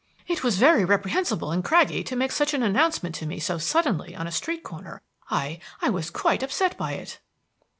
"It was very reprehensible in Craggie to make such an announcement to me so suddenly, on a street corner. I I was quite upset by it."